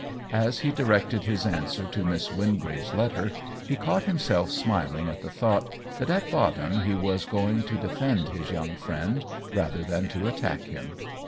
As he directed his answer to OWEN WINGRAVE 179 Miss Wingrave's letter he caught himself smiling at the thought that at bottom he was going to defend his young friend rather than to attack him.